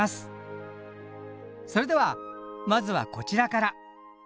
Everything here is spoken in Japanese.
それではまずはこちらから。